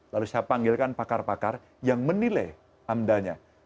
lalu saya panggilkan pakar pakar yang menilai amdanya